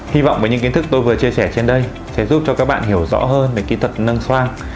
hy vọng với những kiến thức tôi vừa chia sẻ trên đây sẽ giúp cho các bạn hiểu rõ hơn về kỹ thuật nâng soang